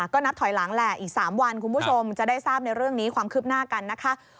ก็นับถอยหลังแหละอีก๓วันคุณผู้ชมจะได้ทราบในเรื่องนี้ความคืบหน้ากันนะคะ